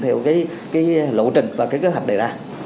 theo cái lộ trình và cái kết hợp đề ra